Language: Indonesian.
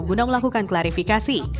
guna melakukan klarifikasi